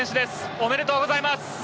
おめでとうございます。